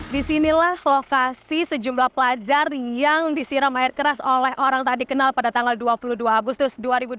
disinilah lokasi sejumlah pelajar yang disiram air keras oleh orang tak dikenal pada tanggal dua puluh dua agustus dua ribu dua puluh